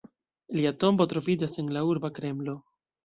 Lia tombo troviĝas en la urba Kremlo.